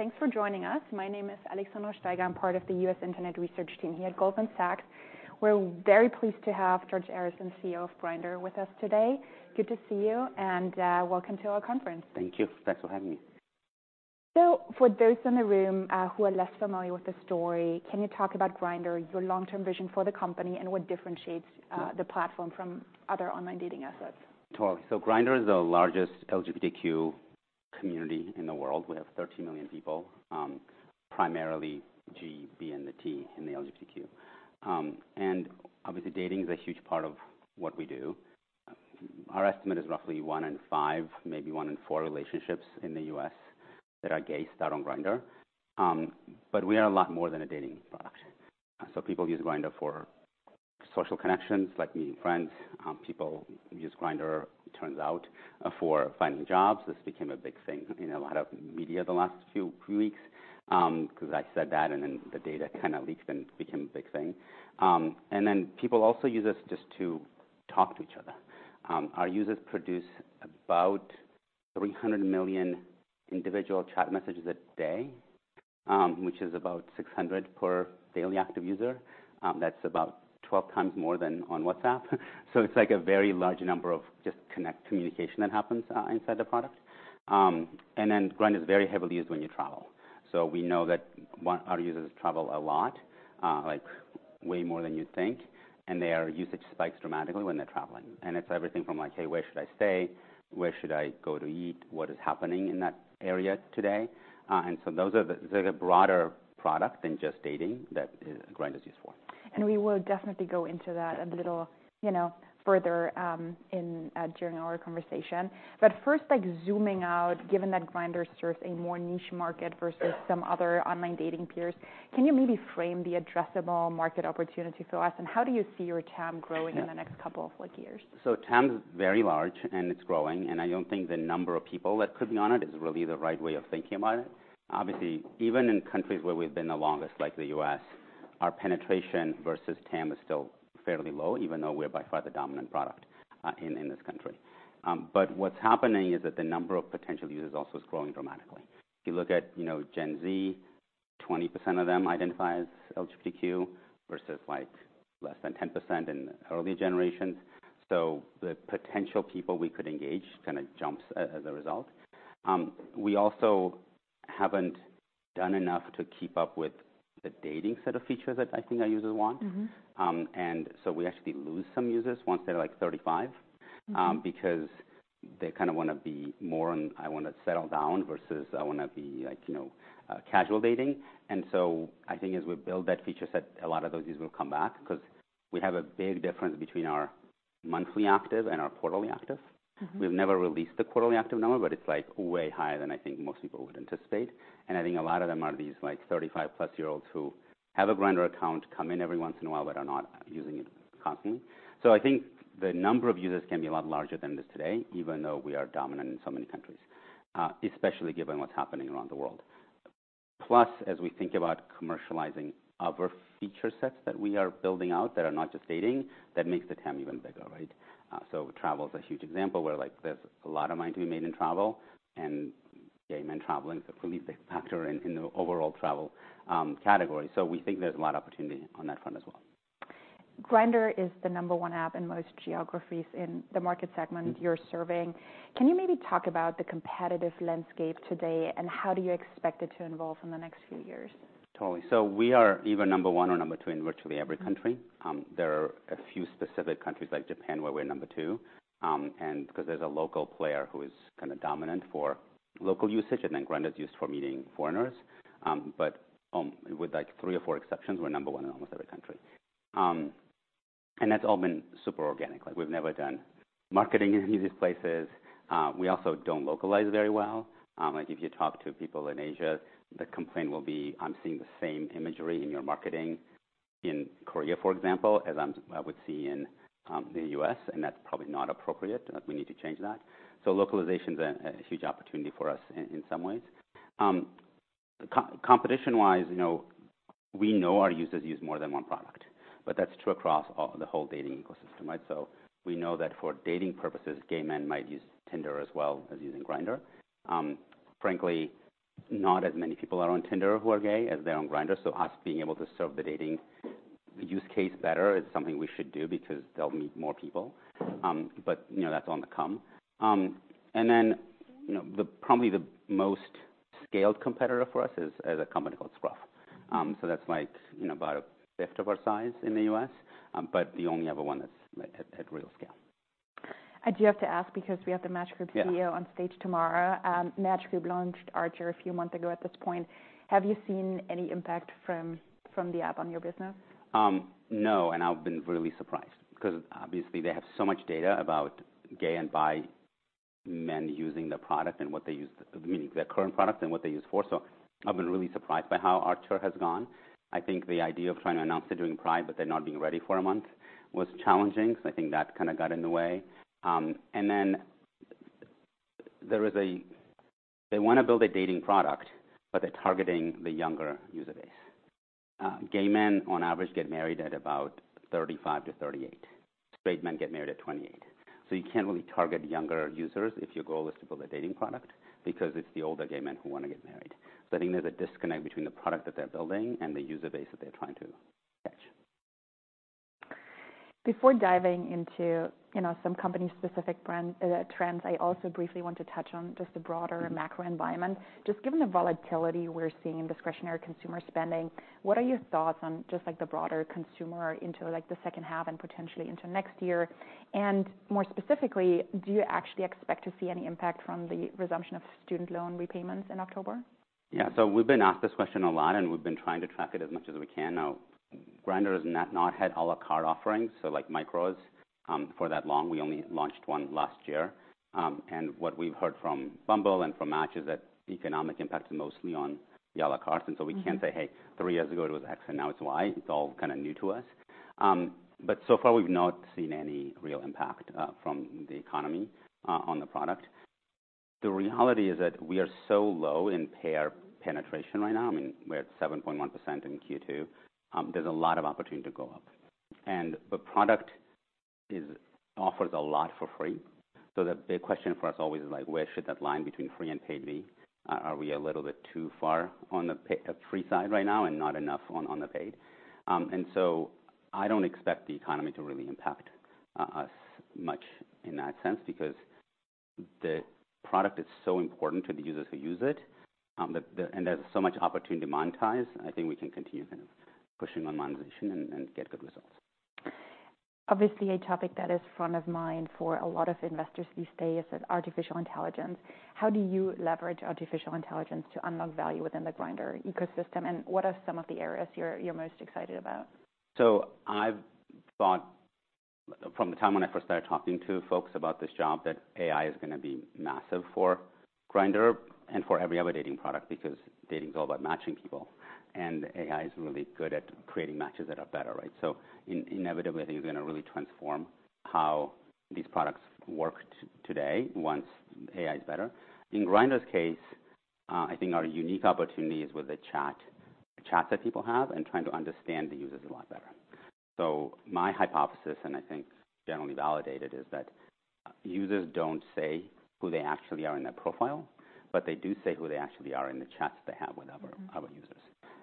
Thanks for joining us. My name is Alexandra Steiger. I'm part of the US Internet Research team here at Goldman Sachs. We're very pleased to have George Arison, CEO of Grindr, with us today. Good to see you, and welcome to our conference. Thank you. Thanks for having me. So for those in the room, who are less familiar with the story, can you talk about Grindr, your long-term vision for the company, and what differentiates the platform from other online dating assets? Totally. So Grindr is the largest LGBTQ community in the world. We have thirteen million people, primarily G, B, and the T in the LGBTQ. And obviously, dating is a huge part of what we do. Our estimate is roughly one in five, maybe one in four relationships in the U.S. that are gay, start on Grindr. But we are a lot more than a dating product. So people use Grindr for social connections, like meeting friends. People use Grindr, it turns out, for finding jobs. This became a big thing in a lot of media the last few weeks, because I said that, and then the data kind of leaked and became a big thing. And then people also use us just to talk to each other. Our users produce about 300 million individual chat messages a day, which is about 600 per daily active user. That's about 12 times more than on WhatsApp, so it's like a very large number of just communication that happens inside the product, and then Grindr is very heavily used when you travel, so we know that our users travel a lot, like, way more than you'd think, and their usage spikes dramatically when they're traveling. And it's everything from like: Hey, where should I stay? Where should I go to eat? What is happening in that area today, and so those are the broader product than just dating that Grindr is used for. And we will definitely go into that a little, you know, further, during our conversation. But first, like, zooming out, given that Grindr serves a more niche market versus some other online dating peers, can you maybe frame the addressable market opportunity for us, and how do you see your TAM growing in the next couple of, like, years? So TAM is very large, and it's growing, and I don't think the number of people that could be on it is really the right way of thinking about it. Obviously, even in countries where we've been the longest, like the U.S., our penetration versus TAM is still fairly low, even though we're by far the dominant product in this country. But what's happening is that the number of potential users also is growing dramatically. If you look at, you know, Gen Z, 20% of them identify as LGBTQ, versus, like, less than 10% in earlier generations. So the potential people we could engage kind of jumps as a result. We also haven't done enough to keep up with the dating set of features that I think our users want. Mm-hmm. And so we actually lose some users once they're, like, 35- Mm-hmm... because they kind of want to be more on, "I want to settle down," versus, "I want to be, like, you know, casual dating." And so I think as we build that feature set, a lot of those users will come back. Because we have a big difference between our monthly active and our quarterly active. Mm-hmm. We've never released the quarterly active number, but it's, like, way higher than I think most people would anticipate. And I think a lot of them are these, like, thirty-five-plus-year-olds who have a Grindr account, come in every once in a while, but are not using it constantly. So I think the number of users can be a lot larger than this today, even though we are dominant in so many countries, especially given what's happening around the world. Plus, as we think about commercializing other feature sets that we are building out that are not just dating, that makes the TAM even bigger, right? So travel is a huge example, where, like, there's a lot of money to be made in travel, and gay men traveling is a really big factor in the overall travel category. So we think there's a lot of opportunity on that front as well. Grindr is the number one app in most geographies in the market segment. Mm-hmm You're serving. Can you maybe talk about the competitive landscape today, and how do you expect it to evolve in the next few years? Totally. So we are either number one or number two in virtually every country. There are a few specific countries, like Japan, where we're number two, and because there's a local player who is kind of dominant for local usage, and then Grindr is used for meeting foreigners. But with, like, three or four exceptions, we're number one in almost every country. And that's all been super organic. Like, we've never done marketing in any of these places. We also don't localize very well. Like, if you talk to people in Asia, the complaint will be: I'm seeing the same imagery in your marketing in Korea, for example, as I would see in the US, and that's probably not appropriate. We need to change that. So localization's a huge opportunity for us in some ways. Competition-wise, you know, we know our users use more than one product, but that's true across all the whole dating ecosystem, right? So we know that for dating purposes, gay men might use Tinder as well as using Grindr. Frankly, not as many people are on Tinder who are gay as they're on Grindr, so us being able to serve the dating use case better is something we should do because they'll meet more people, but you know, that's on the come, and then you know, probably the most scaled competitor for us is a company called Scruff, so that's like, you know, about a fifth of our size in the US, but the only other one that's at real scale. I do have to ask, because we have the Match Group CEO- Yeah -on stage tomorrow. Match Group launched Archer a few months ago at this point. Have you seen any impact from the app on your business? No, and I've been really surprised, because obviously they have so much data about gay and bi men using their product and what they use their current product for. So I've been really surprised by how Archer has gone. I think the idea of trying to announce it during Pride, but then not being ready for a month was challenging, so I think that kind of got in the way. And then, they want to build a dating product, but they're targeting the younger user base. Gay men on average get married at about thirty-five to thirty-eight. Straight men get married at twenty-eight. So you can't really target younger users if your goal is to build a dating product, because it's the older gay men who want to get married. So I think there's a disconnect between the product that they're building and the user base that they're trying to catch. Before diving into, you know, some company-specific brand trends, I also briefly want to touch on just the broader macro environment. Just given the volatility we're seeing in discretionary consumer spending, what are your thoughts on just, like, the broader consumer into, like, the second half and potentially into next year? And more specifically, do you actually expect to see any impact from the resumption of student loan repayments in October? Yeah. So we've been asked this question a lot, and we've been trying to track it as much as we can. Now, Grindr has not had à la carte offerings, so like micros, for that long. We only launched one last year. And what we've heard from Bumble and from Match is that the economic impact is mostly on the à la cartes. Mm-hmm. And so we can't say, "Hey, three years ago it was X, and now it's Y." It's all kinda new to us, but so far, we've not seen any real impact from the economy on the product. The reality is that we are so low in payer penetration right now, I mean, we're at 7.1% in Q2. There's a lot of opportunity to go up, and the product offers a lot for free. So the big question for us always is like, where should that line between free and paid be? Are we a little bit too far on the free side right now and not enough on the paid? And so I don't expect the economy to really impact us much in that sense, because the product is so important to the users who use it, and there's so much opportunity to monetize. I think we can continue kind of pushing on monetization and get good results. Obviously, a topic that is front of mind for a lot of investors these days is artificial intelligence. How do you leverage artificial intelligence to unlock value within the Grindr ecosystem, and what are some of the areas you're most excited about? So I've thought from the time when I first started talking to folks about this job, that AI is gonna be massive for Grindr and for every other dating product, because dating is all about matching people, and AI is really good at creating matches that are better, right? So inevitably, I think it's gonna really transform how these products work today, once AI is better. In Grindr's case, I think our unique opportunity is with the chat, chats that people have, and trying to understand the users a lot better. So my hypothesis, and I think generally validated, is that users don't say who they actually are in their profile, but they do say who they actually are in the chats they have with other- Mm-hmm... other users.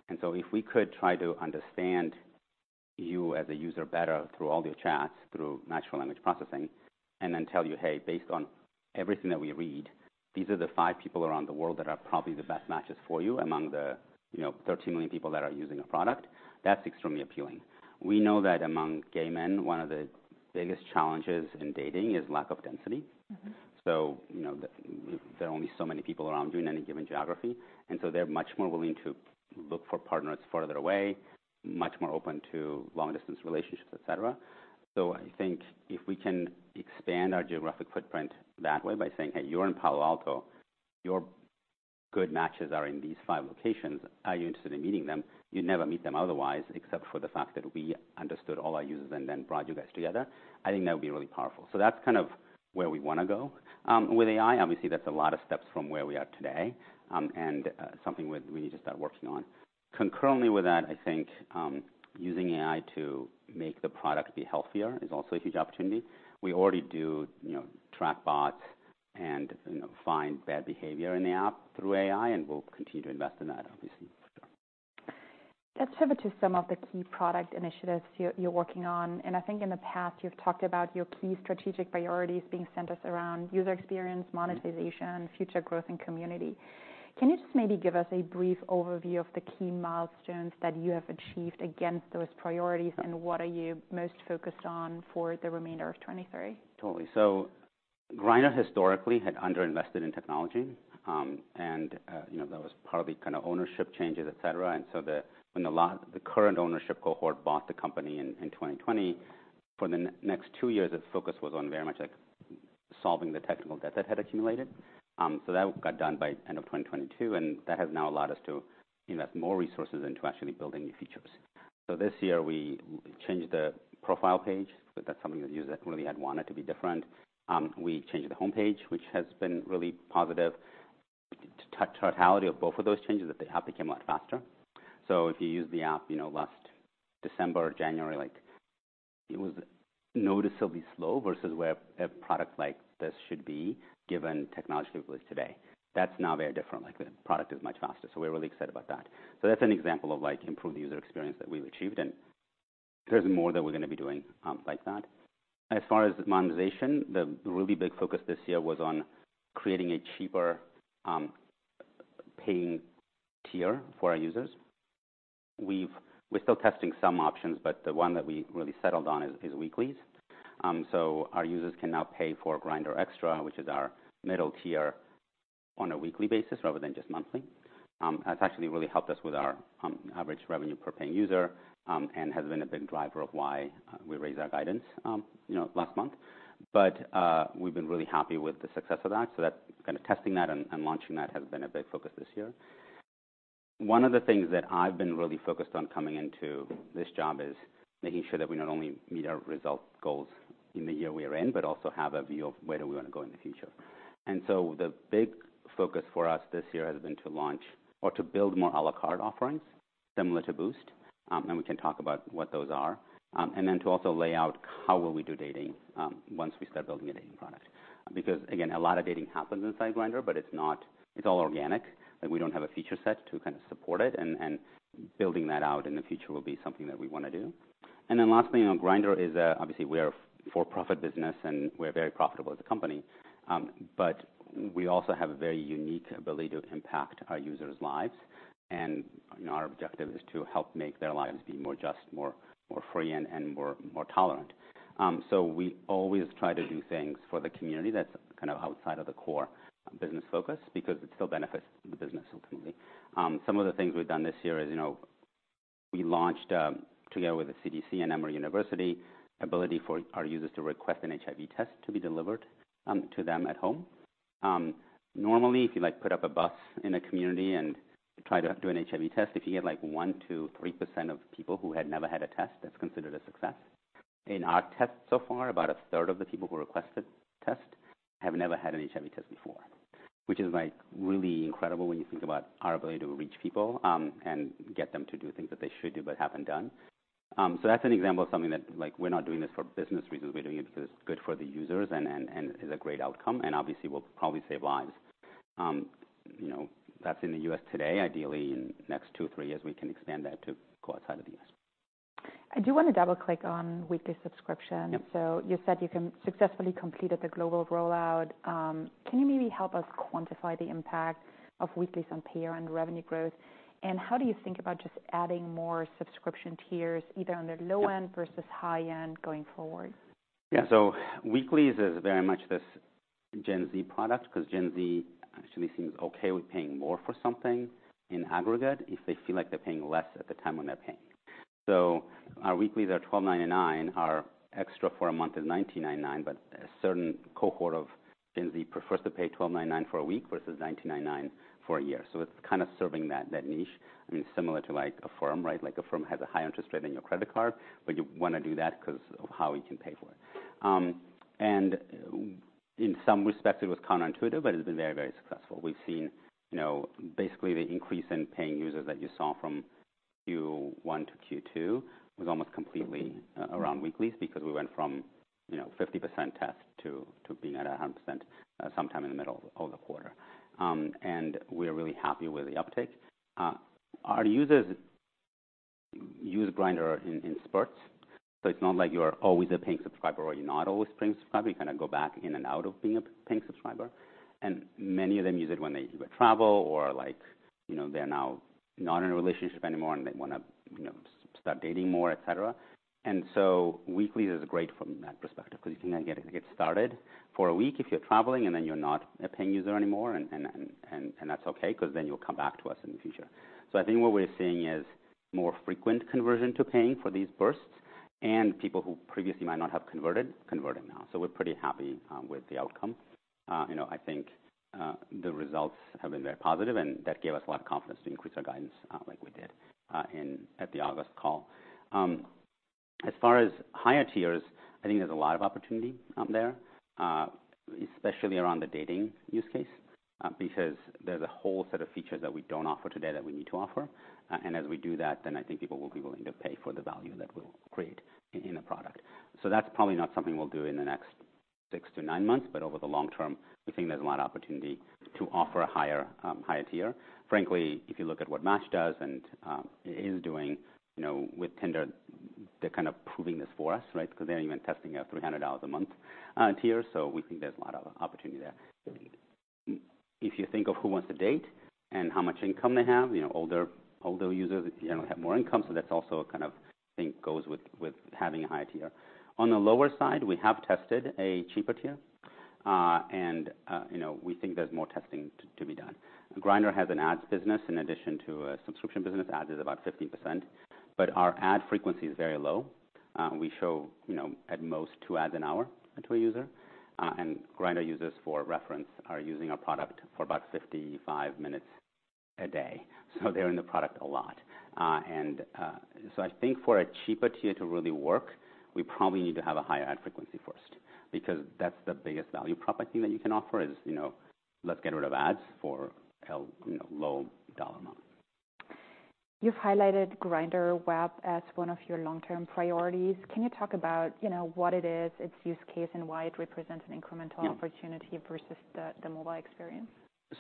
And so if we could try to understand you as a user better through all your chats, through natural language processing, and then tell you, "Hey, based on everything that we read, these are the five people around the world that are probably the best matches for you among the, you know, 13 million people that are using our product," that's extremely appealing. We know that among gay men, one of the biggest challenges in dating is lack of density. Mm-hmm. So, you know, there are only so many people around you in any given geography, and so they're much more willing to look for partners farther away, much more open to long-distance relationships, et cetera. So I think if we can expand our geographic footprint that way by saying, "Hey, you're in Palo Alto, your good matches are in these five locations. Are you interested in meeting them?" You'd never meet them otherwise, except for the fact that we understood all our users and then brought you guys together. I think that would be really powerful. So that's kind of where we wanna go. With AI, obviously, that's a lot of steps from where we are today, and something we need to start working on. Concurrently with that, I think using AI to make the product be healthier is also a huge opportunity. We already do, you know, track bots and, you know, find bad behavior in the app through AI, and we'll continue to invest in that, obviously, for sure. Let's pivot to some of the key product initiatives you're working on. And I think in the past, you've talked about your key strategic priorities being centered around user experience, monetization- Mm-hmm... future growth and community. Can you just maybe give us a brief overview of the key milestones that you have achieved against those priorities, and what are you most focused on for the remainder of 2023? Totally. So Grindr historically had underinvested in technology. And, you know, that was partly kind of ownership changes, et cetera. And so when the current ownership cohort bought the company in 2020, for the next two years, the focus was on very much, like, solving the technical debt that had accumulated. That got done by end of 2022, and that has now allowed us to invest more resources into actually building new features. This year, we changed the profile page, but that's something that users really had wanted to be different. We changed the homepage, which has been really positive. Totality of both of those changes, that the app became a lot faster. If you used the app, you know, last December or January, like, it was noticeably slow versus where a product like this should be, given technology it was today. That's now very different. Like, the product is much faster, so we're really excited about that. So that's an example of, like, improved user experience that we've achieved, and there's more that we're gonna be doing, like that. As far as monetization, the really big focus this year was on creating a cheaper paying tier for our users. We're still testing some options, but the one that we really settled on is weeklies. So our users can now pay for Grindr XTRA, which is our middle tier, on a weekly basis rather than just monthly. That's actually really helped us with our average revenue per paying user, and has been a big driver of why we raised our guidance, you know, last month, but we've been really happy with the success of that, so that kind of testing that and launching that has been a big focus this year. One of the things that I've been really focused on coming into this job is making sure that we not only meet our result goals in the year we are in, but also have a view of where do we wanna go in the future, and so the big focus for us this year has been to launch or to build more à la carte offerings similar to Boost, and we can talk about what those are. And then to also lay out how will we do dating, once we start building a dating product. Because, again, a lot of dating happens inside Grindr, but it's not. It's all organic, but we don't have a feature set to kind of support it, and building that out in the future will be something that we want to do. And then lastly, you know, Grindr is obviously, we are a for-profit business, and we're very profitable as a company. But we also have a very unique ability to impact our users' lives, and, you know, our objective is to help make their lives be more just, more free, and more tolerant. So we always try to do things for the community that's kind of outside of the core business focus because it still benefits the business ultimately. Some of the things we've done this year is, you know, we launched together with the CDC and Emory University ability for our users to request an HIV test to be delivered to them at home. Normally, if you, like, put up a bus in a community and try to do an HIV test, if you get, like, one, two, three% of people who had never had a test, that's considered a success. In our test so far, about a third of the people who requested test have never had an HIV test before, which is, like, really incredible when you think about our ability to reach people and get them to do things that they should do but haven't done. So that's an example of something that, like, we're not doing this for business reasons. We're doing it because it's good for the users and is a great outcome, and obviously will probably save lives. You know, that's in the U.S. today. Ideally, in the next two, three years, we can expand that to go outside of the U.S. I do want to double-click on weekly subscription. Yep. So you said you successfully completed the global rollout. Can you maybe help us quantify the impact of weeklies on pay and revenue growth? And how do you think about just adding more subscription tiers, either on the low- Yeah... end versus high end going forward? Yeah. So weeklies is very much this Gen Z product, because Gen Z actually seems okay with paying more for something in aggregate if they feel like they're paying less at the time when they're paying. So our weeklies are $12.99, our extra for a month is $99.99, but a certain cohort of Gen Z prefers to pay $12.99 for a week versus $99.99 for a year. So it's kind of serving that niche. I mean, similar to like Affirm, right? Like, Affirm has a higher interest rate than your credit card, but you want to do that because of how you can pay for it. And in some respects, it was counterintuitive, but it's been very, very successful. We've seen, you know, basically the increase in paying users that you saw from Q1 to Q2 was almost completely around weeklies because we went from, you know, 50% test to being at 100% sometime in the middle of the quarter, and we are really happy with the uptake. Our users use Grindr in spurts, so it's not like you're always a paying subscriber or you're not always a paying subscriber. You kind of go back in and out of being a paying subscriber, and many of them use it when they travel or like, you know, they're now not in a relationship anymore and they wanna, you know, start dating more, et cetera. And so Weeklies is great from that perspective, because you can get started for a week if you're traveling, and then you're not a paying user anymore, and that's okay, because then you'll come back to us in the future. So I think what we're seeing is more frequent conversion to paying for these bursts and people who previously might not have converted, converting now. So we're pretty happy with the outcome. You know, I think the results have been very positive, and that gave us a lot of confidence to increase our guidance, like we did at the August call. As far as higher tiers, I think there's a lot of opportunity out there, especially around the dating use case, because there's a whole set of features that we don't offer today that we need to offer, and as we do that, then I think people will be willing to pay for the value that we'll create in the product, so that's probably not something we'll do in the next six to nine months, but over the long term, we think there's a lot of opportunity to offer a higher tier. Frankly, if you look at what Match does and is doing, you know, with Tinder, they're kind of proving this for us, right? Because they're even testing a $300 a month tier, so we think there's a lot of opportunity there. If you think of who wants to date and how much income they have, you know, older users generally have more income, so that's also a kind of thing goes with having a higher tier. On the lower side, we have tested a cheaper tier, and you know, we think there's more testing to be done. Grindr has an ads business in addition to a subscription business. Ads is about 50%, but our ad frequency is very low. We show, you know, at most, two ads an hour to a user, and Grindr users, for reference, are using our product for about fifty-five minutes a day. So they're in the product a lot. I think for a cheaper tier to really work, we probably need to have a higher ad frequency first, because that's the biggest value proposition that you can offer is, you know, let's get rid of ads for a, you know, low dollar amount. You've highlighted Grindr Web as one of your long-term priorities. Can you talk about, you know, what it is, its use case, and why it represents an incremental- Yeah... opportunity versus the mobile experience?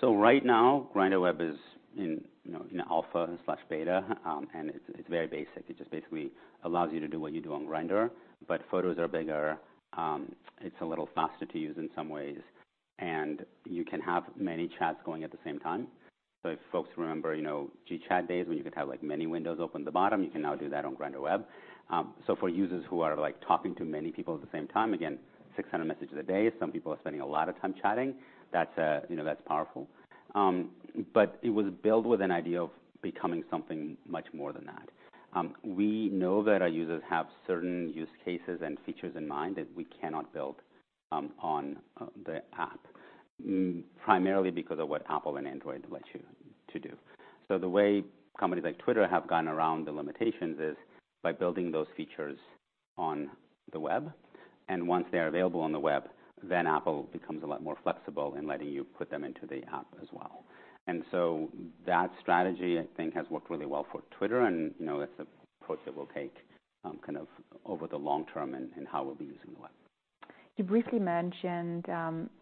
So right now, Grindr Web is in, you know, in alpha/beta, and it's very basic. It just basically allows you to do what you do on Grindr, but photos are bigger, it's a little faster to use in some ways, and you can have many chats going at the same time. So if folks remember, you know, Gchat days, when you could have, like, many windows open at the bottom, you can now do that on Grindr Web. So for users who are, like, talking to many people at the same time, again, 600 messages a day, some people are spending a lot of time chatting. That's, you know, that's powerful. But it was built with an idea of becoming something much more than that. We know that our users have certain use cases and features in mind that we cannot build on the app, primarily because of what Apple and Android lets you to do. So the way companies like Twitter have gotten around the limitations is by building those features on the web, and once they're available on the web, then Apple becomes a lot more flexible in letting you put them into the app as well. And so that strategy, I think, has worked really well for Twitter, and, you know, its approach that we'll take, kind of over the long term and how we'll be using the web. You briefly mentioned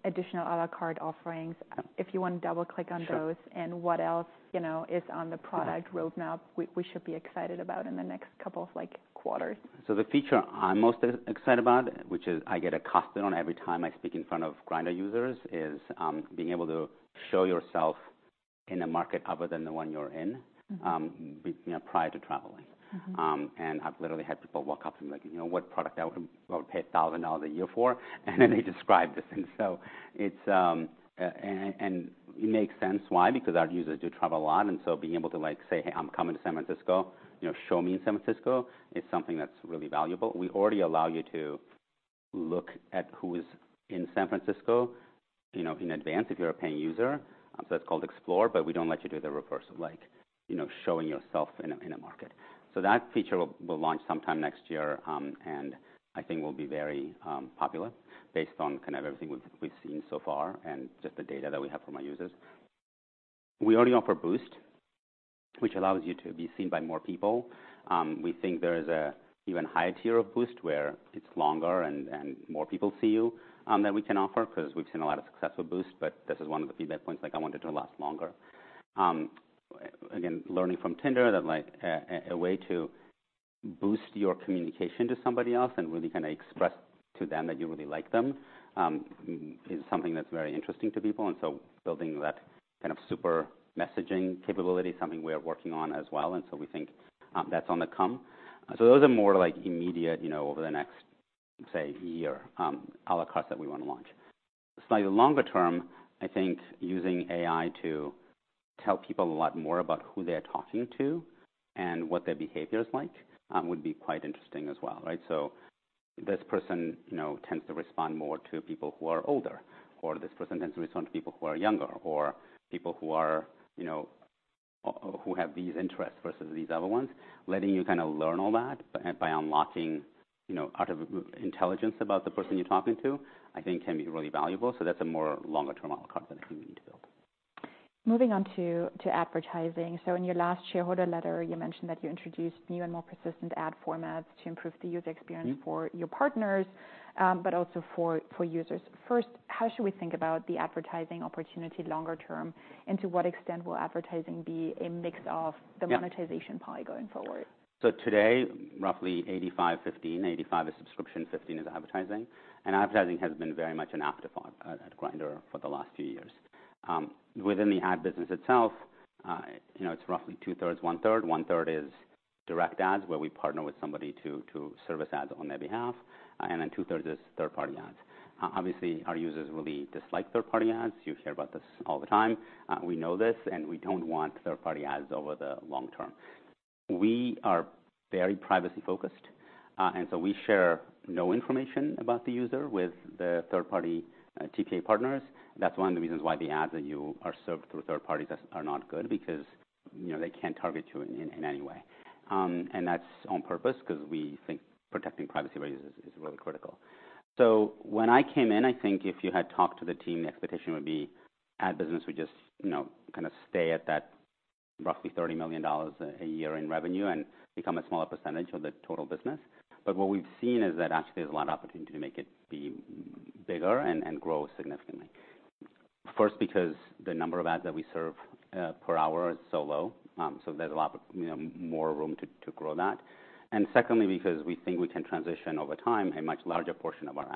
additional a la carte offerings. If you want to double click on those- Sure. and what else, you know, is on the product- Sure roadmap we should be excited about in the next couple of, like, quarters. So the feature I'm most excited about, which is I get accosted every time I speak in front of Grindr users, is being able to show yourself in a market other than the one you're in- Mm-hmm... you know, prior to traveling. Mm-hmm. and I've literally had people walk up to me like, "You know what product I would pay $1,000 a year for?" And then they describe this thing. So it's, and it makes sense, why? Because our users do travel a lot, and so being able to, like, say, "Hey, I'm coming to San Francisco, you know, show me in San Francisco," is something that's really valuable. We already allow you to look at who is in San Francisco, you know, in advance if you're a paying user. So that's called Explore, but we don't let you do the reverse of like, you know, showing yourself in a market. So that feature will launch sometime next year, and I think will be very popular based on kind of everything we've seen so far and just the data that we have from our users. We already offer Boost, which allows you to be seen by more people. We think there is an even higher tier of Boost, where it's longer and more people see you, that we can offer, 'cause we've seen a lot of successful Boost, but this is one of the feedback points, like, I want it to last longer. Again, learning from Tinder that, like, a way to boost your communication to somebody else and really kinda express to them that you really like them, is something that's very interesting to people, and so building that kind of super messaging capability is something we are working on as well, and so we think that's on the come. Those are more, like, immediate, you know, over the next, say, year, a la carte that we want to launch. Slightly longer term, I think using AI to tell people a lot more about who they're talking to and what their behavior is like, would be quite interesting as well, right? So this person, you know, tends to respond more to people who are older, or this person tends to respond to people who are younger, or people who are, you know, who have these interests versus these other ones. Letting you kind of learn all that by unlocking, you know, AI intelligence about the person you're talking to, I think can be really valuable. So that's a more longer term à la carte that I think we need to build. Moving on to advertising. So in your last shareholder letter, you mentioned that you introduced new and more persistent ad formats to improve the user experience. Mm-hmm... for your partners, but also for users. First, how should we think about the advertising opportunity longer term? And to what extent will advertising be a mix of- Yeah the monetization pie going forward? So today, roughly 85%, 15%. 85% is subscription, 15% is advertising, and advertising has been very much an afterthought at Grindr for the last few years. Within the ad business itself, you know, it's roughly two-thirds, one-third. One-third is direct ads, where we partner with somebody to service ads on their behalf, and then two-thirds is third-party ads. Obviously, our users really dislike third-party ads. You hear about this all the time. We know this, and we don't want third-party ads over the long term. We are very privacy focused, and so we share no information about the user with the third-party SDK partners. That's one of the reasons why the ads that you are served through third parties are not good, because, you know, they can't target you in any way. And that's on purpose, 'cause we think protecting privacy rights is really critical. So when I came in, I think if you had talked to the team, the expectation would be ad business would just, you know, kind of stay at that roughly $30 million a year in revenue and become a smaller percentage of the total business. But what we've seen is that actually there's a lot of opportunity to make it be bigger and grow significantly. First, because the number of ads that we serve per hour is so low, so there's a lot of, you know, more room to grow that. And secondly, because we think we can transition over time a much larger portion of our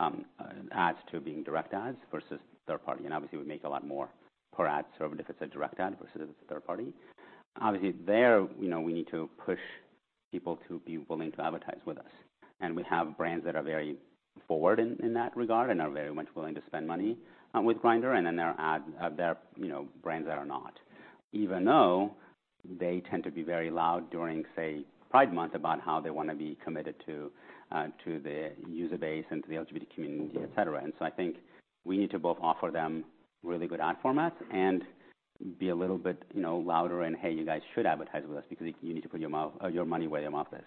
ads to being direct ads versus third party. Obviously, we make a lot more per ad served if it's a direct ad versus a third party. Obviously, there, you know, we need to push people to be willing to advertise with us. We have brands that are very forward in, in that regard and are very much willing to spend money with Grindr, and then there are, you know, brands that are not. Even though they tend to be very loud during, say, Pride Month, about how they want to be committed to the user base and to the LGBT community, et cetera. And so I think we need to both offer them really good ad formats and be a little bit, you know, louder and, "Hey, you guys should advertise with us because you need to put your money where your mouth is."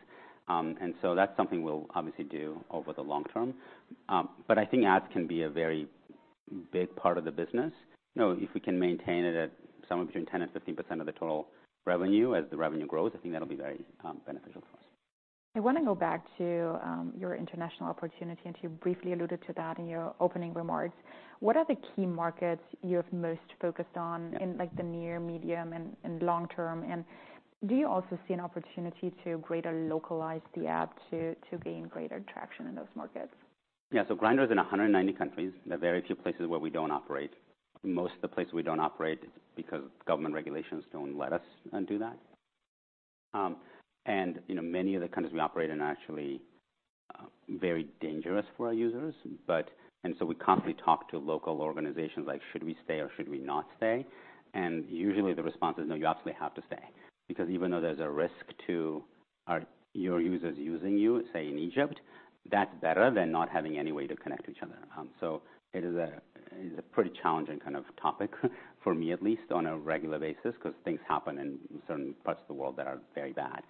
And so that's something we'll obviously do over the long term. But I think ads can be a very big part of the business. You know, if we can maintain it at somewhere between 10% and 15% of the total revenue as the revenue grows, I think that'll be very beneficial for us. I want to go back to your international opportunity, and you briefly alluded to that in your opening remarks. What are the key markets you have most focused on? Yeah in the near, medium, and long term? And do you also see an opportunity to greater localize the app to gain greater traction in those markets? Yeah. So Grindr is in a hundred and ninety countries. There are very few places where we don't operate. Most of the places we don't operate, it's because government regulations don't let us do that. And, you know, many of the countries we operate in are actually very dangerous for our users, but and so we constantly talk to local organizations, like, "Should we stay or should we not stay?" And usually the response is, "No, you absolutely have to stay." Because even though there's a risk to our users using it, say, in Egypt. That's better than not having any way to connect to each other. So it is a pretty challenging kind of topic, for me at least, on a regular basis, 'cause things happen in certain parts of the world that are very bad.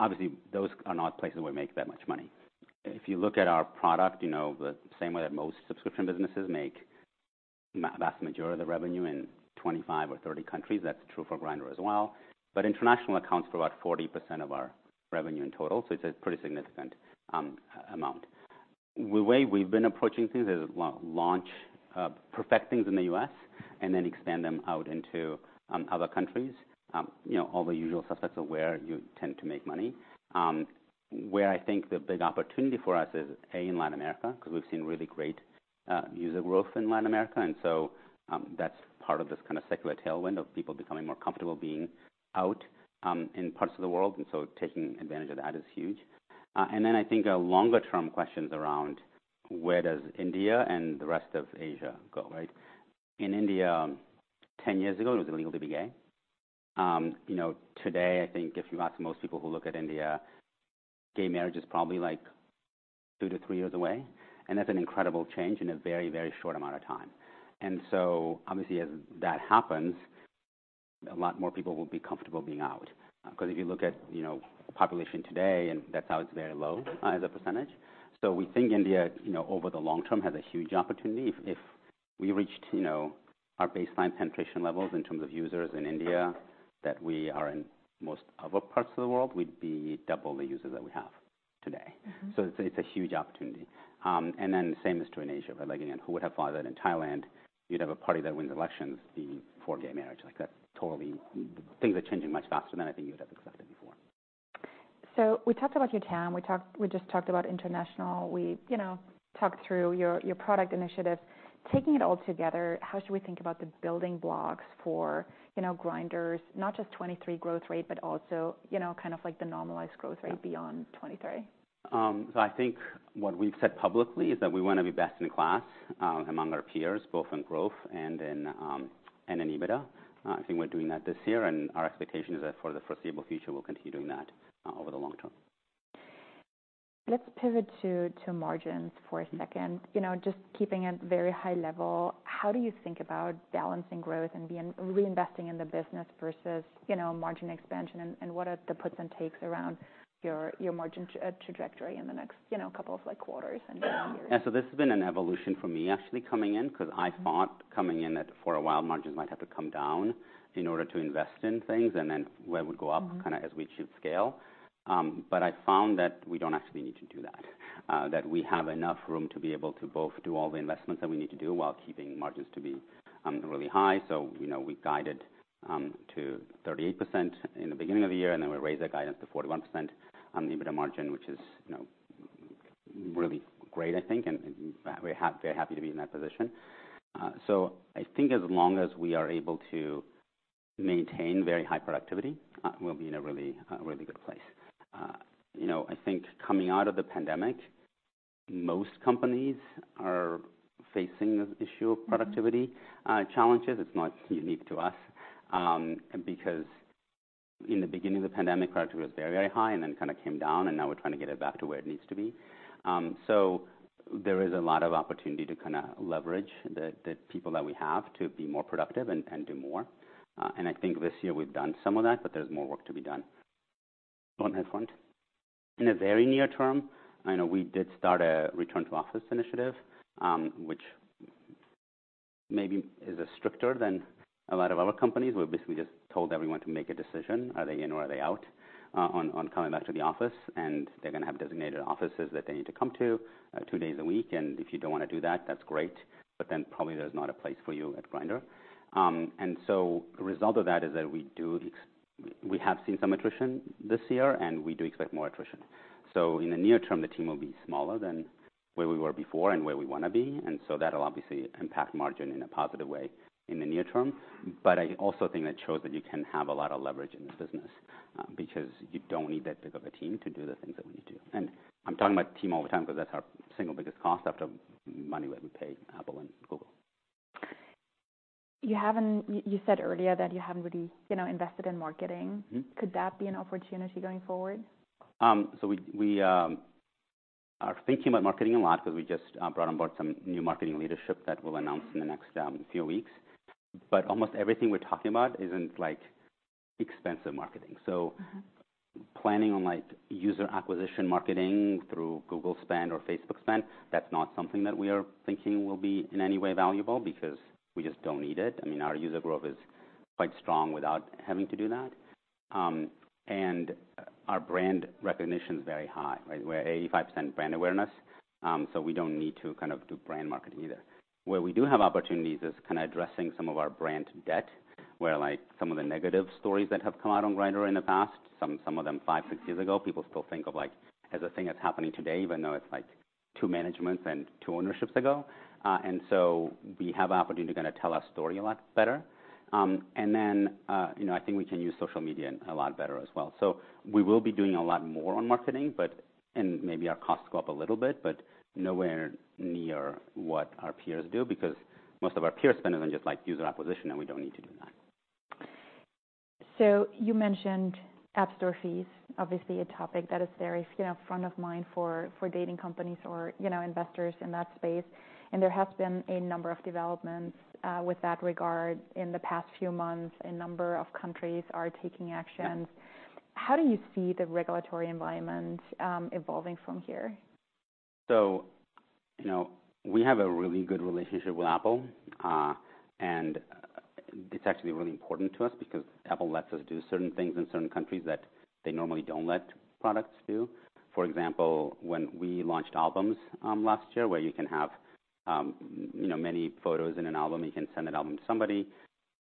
Obviously, those are not places where we make that much money. If you look at our product, you know, the same way that most subscription businesses make vast majority of the revenue in 25 or 30 countries, that's true for Grindr as well. But international accounts for about 40% of our revenue in total, so it's a pretty significant amount. The way we've been approaching things is, well, launch perfect things in the U.S. and then expand them out into other countries. You know, all the usual suspects of where you tend to make money. Where I think the big opportunity for us is, A, in Latin America, because we've seen really great, user growth in Latin America, and so, that's part of this kind of secular tailwind of people becoming more comfortable being out, in parts of the world, and so taking advantage of that is huge. And then I think a longer term question is around, where does India and the rest of Asia go, right? In India, 10 years ago, it was illegal to be gay. You know, today, I think if you ask most people who look at India, gay marriage is probably, like, two to three years away, and that's an incredible change in a very, very short amount of time. Obviously, as that happens, a lot more people will be comfortable being out, because if you look at, you know, population today, and that's how it's very low as a percentage. We think India, you know, over the long term, has a huge opportunity. If we reached, you know, our baseline penetration levels in terms of users in India, that we are in most other parts of the world, we'd be double the users that we have today. Mm-hmm. So it's a huge opportunity, and then the same is true in Asia, but again, who would have thought that in Thailand, you'd have a party that wins elections being for gay marriage? Like, that's totally... Things are changing much faster than I think you'd have accepted before. So we talked about your TAM. We just talked about international. We, you know, talked through your product initiatives. Taking it all together, how should we think about the building blocks for, you know, Grindr's not just 2023 growth rate, but also, you know, kind of like the normalized growth rate beyond 2023? So, I think what we've said publicly is that we want to be best in class among our peers, both in growth and in EBITDA. I think we're doing that this year, and our expectation is that for the foreseeable future, we'll continue doing that over the long term. Let's pivot to margins for a second. You know, just keeping it very high level, how do you think about balancing growth and being reinvesting in the business versus, you know, margin expansion? And what are the puts and takes around your margin trajectory in the next, you know, couple of, like, quarters and years? Yeah. And so this has been an evolution for me, actually, coming in, because I thought coming in that for a while, margins might have to come down in order to invest in things and then where it would go up- Mm-hmm. Kinda as we achieve scale. But I found that we don't actually need to do that. That we have enough room to be able to both do all the investments that we need to do while keeping margins to be really high. So, you know, we guided to 38% in the beginning of the year, and then we raised our guidance to 41% on the EBITDA margin, which is, you know, really great, I think, and we're very happy to be in that position. So I think as long as we are able to maintain very high productivity, we'll be in a really good place. You know, I think coming out of the pandemic, most companies are facing this issue of- Mm-hmm. productivity challenges. It's not unique to us, because in the beginning of the pandemic, productivity was very, very high and then kind of came down, and now we're trying to get it back to where it needs to be, so there is a lot of opportunity to kinda leverage the people that we have to be more productive and do more, and I think this year we've done some of that, but there's more work to be done on that front. In the very near term, I know we did start a return to office initiative, which maybe is stricter than a lot of other companies. We basically just told everyone to make a decision. Are they in or are they out on coming back to the office? And they're gonna have designated offices that they need to come to, two days a week. And if you don't want to do that, that's great, but then probably there's not a place for you at Grindr. And so the result of that is that we have seen some attrition this year, and we do expect more attrition. So in the near term, the team will be smaller than where we were before and where we want to be, and so that will obviously impact margin in a positive way in the near term. But I also think that shows that you can have a lot of leverage in this business, because you don't need that big of a team to do the things that we need to. I'm talking about team all the time because that's our single biggest cost after money that we pay Apple and Google. You said earlier that you haven't really, you know, invested in marketing. Mm-hmm. Could that be an opportunity going forward? We are thinking about marketing a lot because we just brought on board some new marketing leadership that we'll announce in the next few weeks, but almost everything we're talking about isn't like expensive marketing. Mm-hmm. Planning on, like, user acquisition marketing through Google spend or Facebook spend, that's not something that we are thinking will be in any way valuable because we just don't need it. I mean, our user growth is quite strong without having to do that. And our brand recognition is very high, right? We're 85% brand awareness, so we don't need to kind of do brand marketing either. Where we do have opportunities is kind of addressing some of our brand debt, where, like, some of the negative stories that have come out on Grindr in the past, some of them five, six years ago, people still think of like, as a thing that's happening today, even though it's like two managements and two ownerships ago. And so we have an opportunity to tell our story a lot better. And then, you know, I think we can use social media a lot better as well. So we will be doing a lot more on marketing, but... And maybe our costs go up a little bit, but nowhere near what our peers do, because most of our peer spend is on just like user acquisition, and we don't need to do that.... So you mentioned App Store fees, obviously a topic that is very, you know, front of mind for, for dating companies or, you know, investors in that space. And there has been a number of developments with that regard in the past few months. A number of countries are taking action. How do you see the regulatory environment evolving from here? We have a really good relationship with Apple. It's actually really important to us because Apple lets us do certain things in certain countries that they normally don't let products do. For example, when we launched albums last year, where you can have, you know, many photos in an Albums, you can send an album to somebody,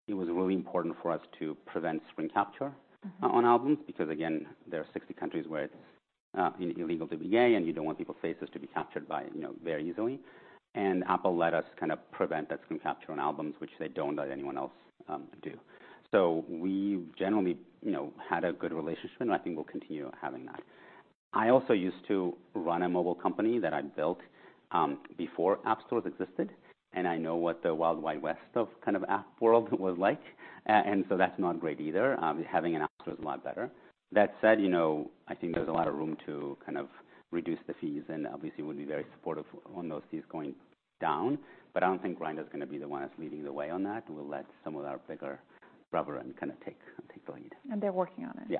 it was really important for us to prevent screen capture. Mm-hmm. on albums, because again, there are 60 countries where it's illegal to be gay, and you don't want people's faces to be captured by, you know, very easily. And Apple let us kind of prevent that screen capture on albums, which they don't let anyone else do. So we generally, you know, had a good relationship, and I think we'll continue having that. I also used to run a mobile company that I built before App Stores existed, and I know what the Wild Wild West of kind of app world was like, and so that's not great either. Having an app store is a lot better. That said, you know, I think there's a lot of room to kind of reduce the fees and obviously would be very supportive on those fees going down, but I don't think Grindr is gonna be the one that's leading the way on that. We'll let some of our bigger brother and kind of take the lead. And they're working on it.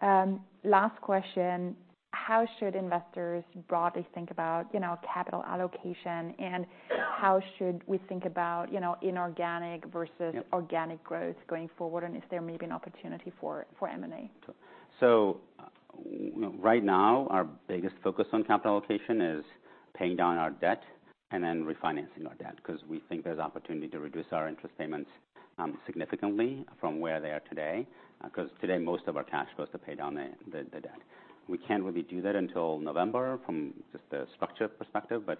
Yeah. Last question: How should investors broadly think about, you know, capital allocation? And how should we think about, you know, inorganic versus- Yep organic growth going forward, and is there maybe an opportunity for M&A? So, right now, our biggest focus on capital allocation is paying down our debt and then refinancing our debt, 'cause we think there's opportunity to reduce our interest payments significantly from where they are today. 'Cause today, most of our cash goes to pay down the debt. We can't really do that until November from just the structure perspective, but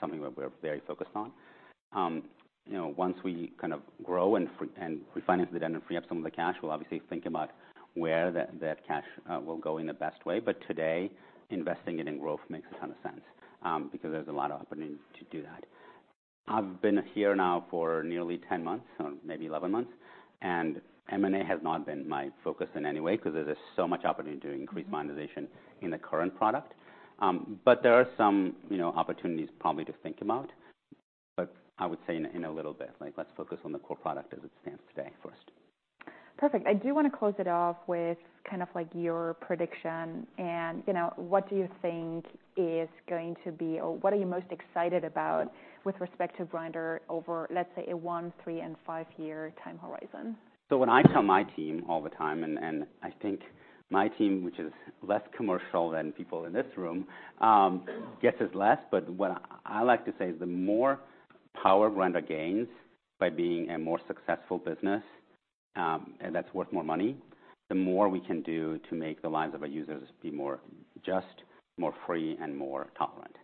something that we're very focused on. You know, once we kind of grow and refinance the debt and free up some of the cash, we'll obviously think about where that cash will go in the best way. But today, investing it in growth makes a ton of sense, because there's a lot of opportunity to do that. I've been here now for nearly ten months, or maybe eleven months, and M&A has not been my focus in any way, 'cause there's just so much opportunity to increase monetization- Mm-hmm In the current product. But there are some, you know, opportunities probably to think about, but I would say in a little bit, like, let's focus on the core product as it stands today first. Perfect. I do want to close it off with kind of like your prediction and, you know, what do you think is going to be... or what are you most excited about with respect to Grindr over, let's say, a one, three, and five-year time horizon? So when I tell my team all the time, and I think my team, which is less commercial than people in this room, gets it less. But what I like to say is, the more power Grindr gains by being a more successful business, and that's worth more money, the more we can do to make the lives of our users be more just, more free, and more tolerant.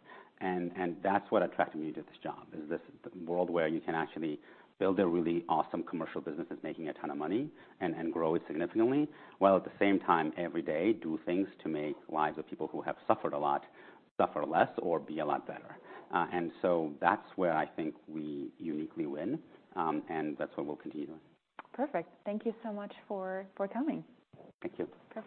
And that's what attracted me to this job, is this world where you can actually build a really awesome commercial business that's making a ton of money and grow it significantly, while at the same time, every day, do things to make lives of people who have suffered a lot, suffer less or be a lot better. And so that's where I think we uniquely win, and that's what we'll continue doing. Perfect. Thank you so much for coming. Thank you.